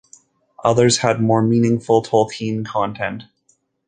Others had more meaningful Tolkien content.